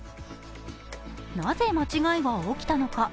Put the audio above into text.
なぜ間違いが起きたのか。